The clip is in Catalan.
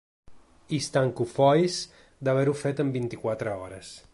I estan cofois d’haver-ho fet en vint-i-quatre hores.